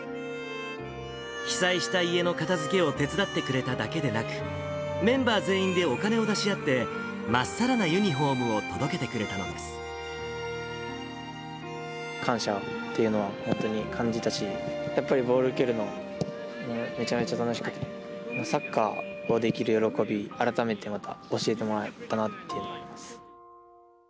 被災した家の片づけを手伝ってくれただけでなく、メンバー全員でお金を出し合って、まっさらなユニホームを届けてく感謝っていうのは、本当に感じたし、やっぱりボール蹴るの、めちゃめちゃ楽しくて、サッカーができる喜び、改めてまた教えてもらったなと思います。